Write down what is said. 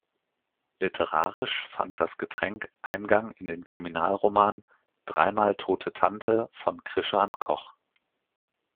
Literarisch fand das Getränk Eingang in den Kriminalroman "Dreimal Tote Tante" von Krischan Koch.